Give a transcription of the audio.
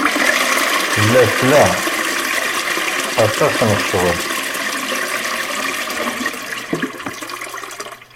Tella tla aṭas n ccɣel.